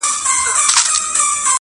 واوری واوری شب پرستو سهرونه خبرومه,